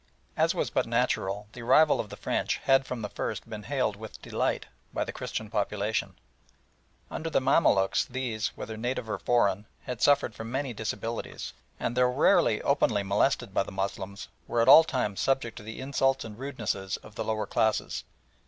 As was but natural, the arrival of the French had from the first been hailed with delight by the Christian population. Under the Mamaluks these, whether native or foreign, had suffered from many disabilities, and, though rarely openly molested by the Moslems, were at all times subject to the insults and rudenesses of the lower classes.